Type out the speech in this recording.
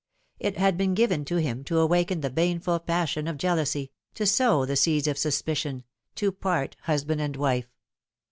It had been given to him to awaken the baneful passion of jealousy, to sow the seeds of suspicion, to part husband and wife.